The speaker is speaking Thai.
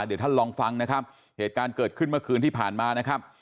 เดี๋ยวท่านลองฟังนะครับเหตุการณ์เกิดขึ้นเมื่อคืนที่ผ่านมานะครับ